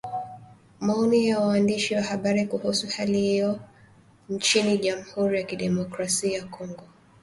Maoni ya waandishi wa habari kuhusu hali ilivyo nchini Jamhuri ya kidemokrasia ya Kongo